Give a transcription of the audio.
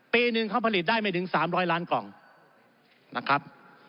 ปีหนึ่งเขาผลิตได้ไม่ถึง๓๐๐ล้านกล่องนะครับ